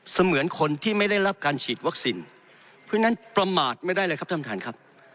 เหมือนคนที่ไม่ได้รับการฉีดวัคซีนเพราะฉะนั้นประมาทไม่ได้เลยครับท่านประธานครับ